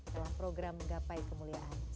dalam program gapai kemuliaan